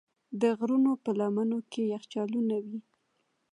د غرونو په لمنو کې یخچالونه وي.